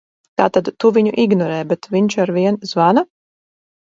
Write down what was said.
Tātad tu viņu ignorē, bet viņš arvien zvana?